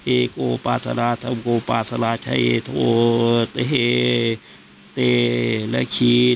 เอโกปาสลาธรรมโกปาสลาชัยโทษเอเทและขีด